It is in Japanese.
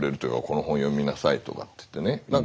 この本読みなさいとかって言ってね。